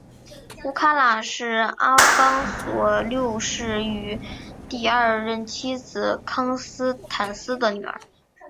乌拉卡是阿方索六世与第二任妻子康斯坦丝的女儿。